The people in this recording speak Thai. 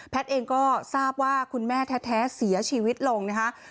เองก็ทราบว่าคุณแม่แท้เสียชีวิตลงนะคะ